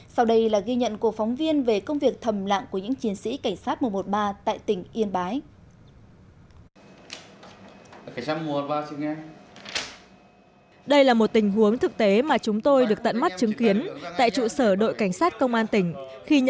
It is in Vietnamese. sau đây là ghi nhận của phóng viên về công việc thầm lạng của những chiến sĩ cảnh sát một trăm một mươi ba tại tỉnh yên bái